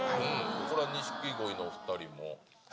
これは錦鯉のお２人も。